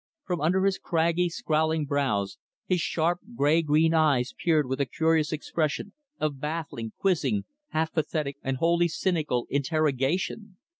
From under his craggy, scowling brows, his sharp green gray eyes peered with a curious expression of baffling, quizzing, half pathetic, and wholly cynical, interrogation.